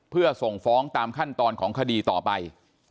เพื่อส่งฟ้องตามขั้นตอนของคดีต่อไป